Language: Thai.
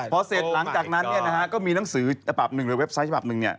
พอเสร็จหลังจากนั้นเนี่ยนะฮะก็มีหนังสือปรับหนึ่งหรือเว็บไซต์ปรับหนึ่งเนี่ย